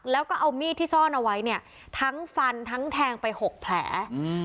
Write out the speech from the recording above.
แล้วก็เอามีดที่ซ่อนเอาไว้เนี่ยทั้งฟันทั้งแทงไปหกแผล